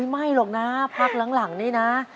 ไม่หรอกนะพักหลังนี่นะ